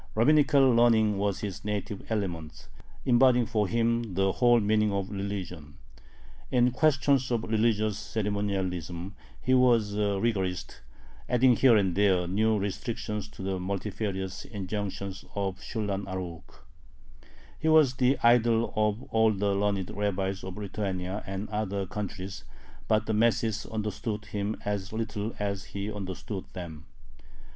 Rabbinical learning was his native element, embodying for him the whole meaning of religion. In questions of religious ceremonialism he was a rigorist, adding here and there new restrictions to the multifarious injunctions of the Shulhan Arukh. He was the idol of all the learned rabbis of Lithuania and other countries, but the masses understood him as little as he understood them.